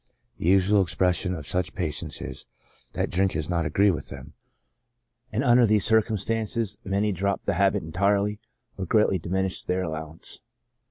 The usual expression of such patients is, that drinking does not agree with them ; and under these circumstances many drop the habit entirely, or greatly di minish their allowance.